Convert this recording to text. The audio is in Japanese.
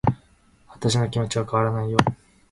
私の気持ちは変わらないよ